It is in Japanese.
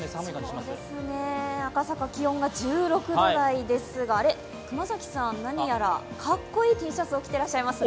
赤坂、気温が１６度台ですが、熊崎さん、何やらかっこいいＴシャツを着ていらっしゃいますね。